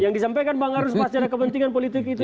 yang disampaikan bang arus pasti ada kepentingan politik itu